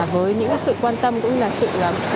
với những sự quan tâm cũng như là sự